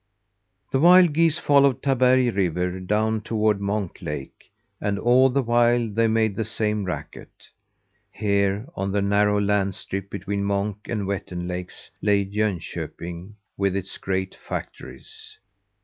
The wild geese followed Taberg River down toward Monk Lake, and all the while they made the same racket. Here, on the narrow land strip between Monk and Vettern lakes, lay Jönköping with its great factories.